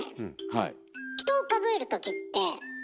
はい。